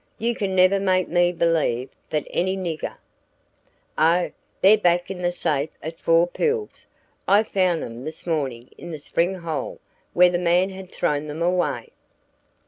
You can never make me believe that any nigger " "Oh, they're back in the safe at Four Pools. I found 'em this morning in the spring hole where the man had thrown them away.